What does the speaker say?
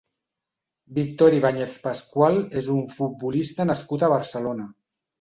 Víctor Ibañez Pascual és un futbolista nascut a Barcelona.